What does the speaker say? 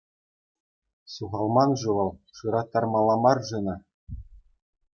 Ҫухалман-ши вӑл, шыраттармалла мар-ши ӑна?